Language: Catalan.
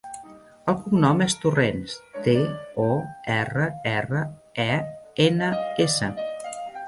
El cognom és Torrens: te, o, erra, erra, e, ena, essa.